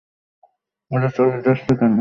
ওরা চলে যাচ্ছে কেন?